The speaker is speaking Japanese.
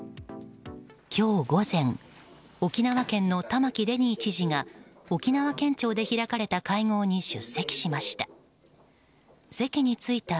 今日午前、沖縄県の玉城デニー知事が沖縄県庁で開かれた会合に出席しました。